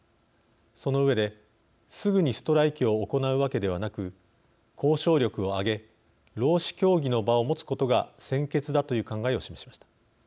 その上で、すぐにストライキを行うわけではなく交渉力を上げ労使協議の場を持つことが先決だという考えを示しました。